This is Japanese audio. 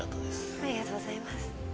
ありがとうございます